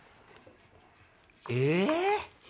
え？